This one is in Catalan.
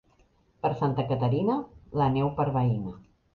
Per Santa Caterina, la neu per veïna.